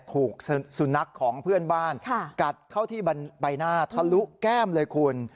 ถูกสุนัขของเพื่อนบ้านกัดเข้าที่ใบหน้าทะลุแก้มเลยคุณ